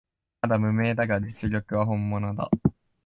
まだ無名だが実力は本物だ